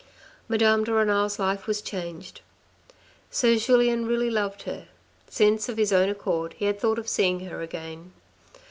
Madame de Renal's life was changed. So Julien really loved her, since of his own accord he had thought of seeing her again.